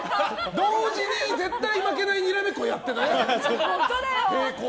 同時に絶対負けないにらめっこやってない？